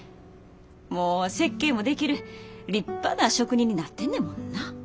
もう設計もできる立派な職人になってんねもんな。